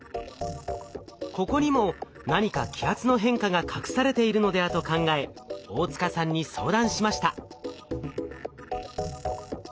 ここにも何か気圧の変化が隠されているのではと考え大塚さんに相談しました。